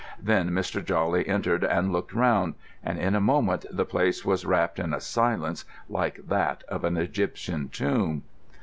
Then Mr. Jawley entered and looked round; and in a moment the place was wrapped in a silence like that of an Egyptian tomb.